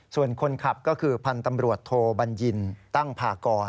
ส่วนคนขับก็คือพันธ์ตำรวจโทบัญญินตั้งพากร